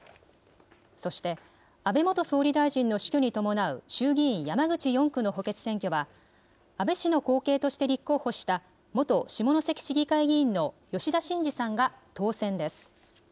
そして安倍元総理大臣の死去に伴う衆議院山口４区の補欠選挙は安倍氏の後継として立候補した元下関市議会議員の吉田真次さんが当選です。